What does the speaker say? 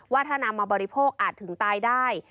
ว่าถ้านำมาบริโภคอาจถึงตายได้